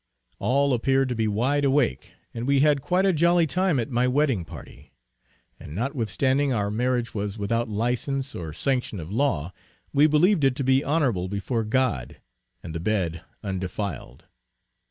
All appeared to be wide awake, and we had quite a jolly time at my wedding party. And notwithstanding our marriage was without license or sanction of law, we believed it to be honorable before God, and the bed undefiled.